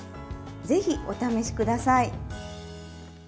ぜひ、お試しください。